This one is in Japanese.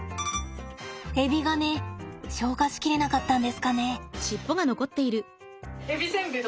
エビがね消化し切れなかったんですかね。